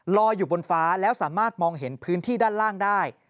ลอยอยู่บนฟ้าแล้วสามารถมองเห็นพื้นที่ด้านล่างได้